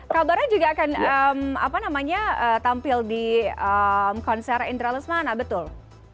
kabarnya juga akan tampil di konser intralesmana betul